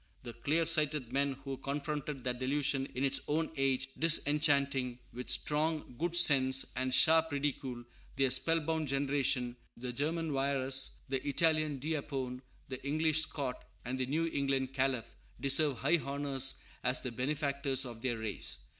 The clear sighted men who confronted that delusion in its own age, disenchanting, with strong good sense and sharp ridicule, their spell bound generation, the German Wierus, the Italian D'Apone, the English Scot, and the New England Calef, deserve high honors as the benefactors of their race.